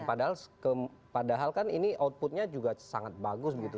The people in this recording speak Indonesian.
padahal kan ini outputnya juga sangat bagus begitu